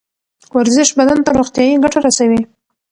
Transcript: ورزش بدن ته روغتیایی ګټه رسوي